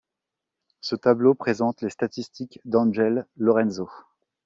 Ce tableau présente les statistiques d'Angel Lorenzo.